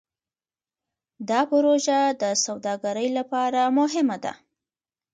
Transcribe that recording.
دا پروژه د سوداګرۍ لپاره مهمه ده.